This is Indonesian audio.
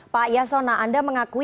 pak yasona anda mengakui